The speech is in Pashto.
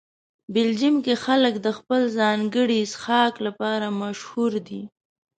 بلجیم کې خلک د خپل ځانګړي څښاک لپاره مشهوره دي.